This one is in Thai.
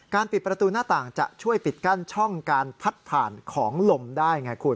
ปิดประตูหน้าต่างจะช่วยปิดกั้นช่องการพัดผ่านของลมได้ไงคุณ